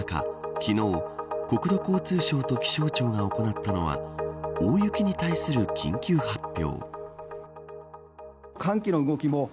昨日、国土交通省と気象庁が行ったのは大雪に対する緊急発表。